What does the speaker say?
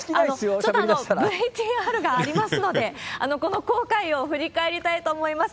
ちょっとＶＴＲがありますので、この航海を振り返りたいと思います。